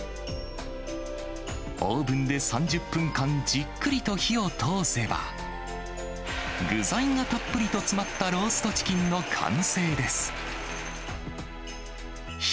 オーブンで３０分間じっくりと火を通せば、具材がたっぷりと詰まったローストチキンの完成です。